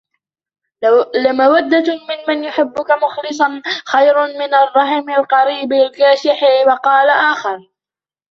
لَمَوَدَّةٌ مِمَّنْ يُحِبُّك مُخْلِصًا خَيْرٌ مِنْ الرَّحِمِ الْقَرِيبِ الْكَاشِحِ وَقَالَ آخَرُ